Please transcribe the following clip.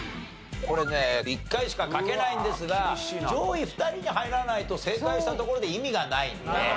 これね１回しか書けないんですが上位２人に入らないと正解したところで意味がないんで。